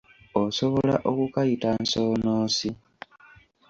Osobola okukayita nsoonoosi.